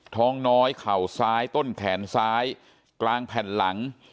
ท้องน้อยเข่าซ้ายต้นแขนซ้ายกลางแผ่นหลัง